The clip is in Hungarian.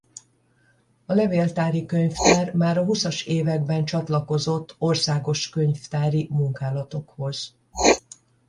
A levéltári könyvtár már a húszas években csatlakozott országos könyvtári munkálatokhoz.